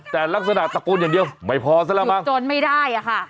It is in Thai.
แต่ลักษณะตะโกนอย่างเดียวไม่พอซะแล้วมั้งจนไม่ได้อะค่ะ